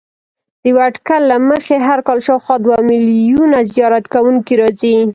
د یوه اټکل له مخې هر کال شاوخوا دوه میلیونه زیارت کوونکي راځي.